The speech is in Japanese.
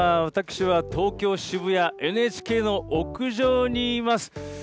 私は東京・渋谷、ＮＨＫの屋上にいます。